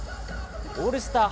オールスター